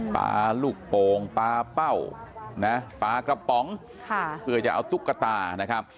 ปลาลูกโป่งปลาเป้านะปลากระป๋องเพื่อจะเอาตุ๊กตานะครับ